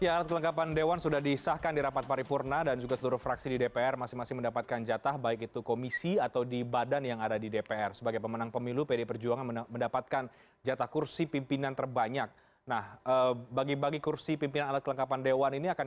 alat kelengkapan dewan